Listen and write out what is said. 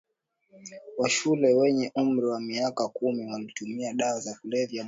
wa shule wenye umri wa miaka kumi walitumia dawa za kulevya mwaka